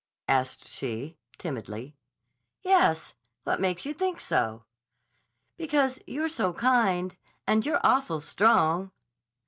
asked she, timidly. "Yes. What makes you think so?" "Because you're so kind. And you're awful strong."